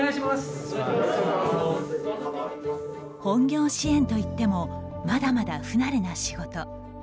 本業支援といってもまだまだ不慣れな仕事。